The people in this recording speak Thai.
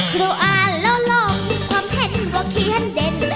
ครูอ่านแล้วลงความเห็นว่าเขียนเด่น